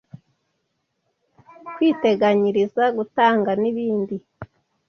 kwiteganyiriza, gutanga n’ibindi